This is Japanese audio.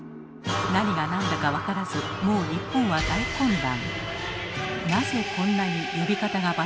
何が何だか分からずもう日本は大混乱。